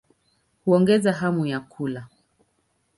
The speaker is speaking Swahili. Huongeza hamu ya kula.